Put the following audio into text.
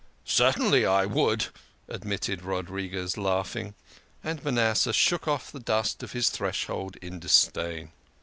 "Certainly I would," admitted Rodriques laughing. And Manasseh shook off the dust of his threshold in dis dain.